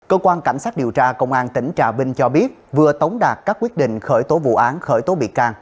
cơ quan cảnh sát điều tra công an tỉnh trà vinh cho biết vừa tống đạt các quyết định khởi tố vụ án khởi tố bị can